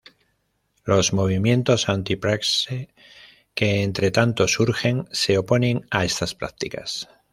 Los movimientos anti-praxe que entretanto surgen se oponen a estas prácticas.